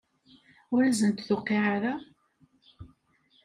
Ur asent-d-tuqiɛ ara?